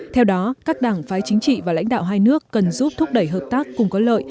theo đó các đảng phái chính trị và lãnh đạo hai nước cần giúp thúc đẩy hợp tác cùng có lợi